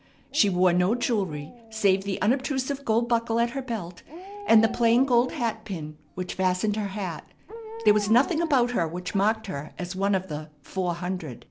She wore no jewelry, save the unobtrusive gold buckle at her belt and the plain gold hatpin which fastened her hat. There was nothing about her which marked her as one of the "four hundred."